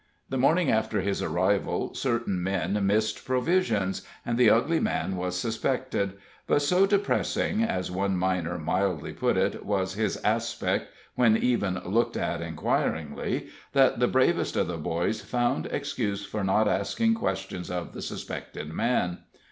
The morning after his arrival, certain men missed provisions, and the ugly man was suspected; but so depressing, as one miner mildly put it, was his aspect when even looked at inquiringly, that the bravest of the boys found excuse for not asking questions of the suspected man.